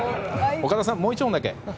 岡田さん、もう１問だけ。